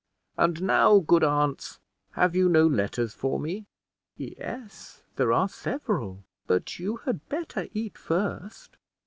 And now, good aunts, have you no letters for me?" "Yes, there are several; but you had better eat first."